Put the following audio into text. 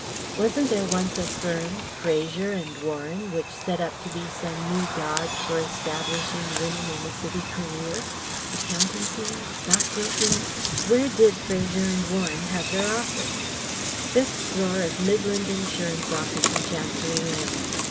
"Wasn't there once a firm, Fraser and Warren, which set up to be some new dodge for establishing women in a city career? Accountancy? Stockbroking? Where did Fraser and Warren have their office? Fifth floor of Midland Insurance office in Chancery Lane.